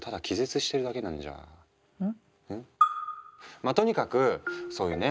まあとにかくそういうね